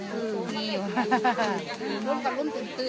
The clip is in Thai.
ก็ดูดีอยู่